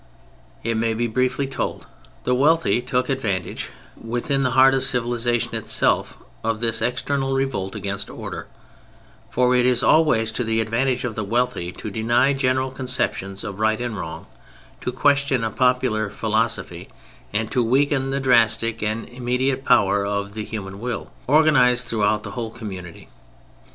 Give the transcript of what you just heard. It may be briefly told. The wealthy took advantage within the heart of civilization itself of this external revolt against order; for it is always to the advantage of the wealthy to deny general conceptions of right and wrong, to question a popular philosophy and to weaken the drastic and immediate power of the human will, organized throughout the whole community.